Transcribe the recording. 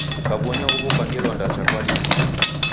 Kukabonya huw'o kwa ngelo ndacha kwalisa.